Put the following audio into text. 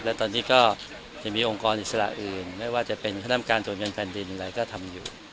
และตอนนี้ก็จะมีองค์กรอิสระอื่นไม่ว่าจะเป็นคณะกรรมการตรวจเงินแผ่นดินอะไรก็ทำอยู่